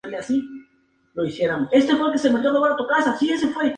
El Eje Histórico de Albacete está situado dentro del Centro de la ciudad.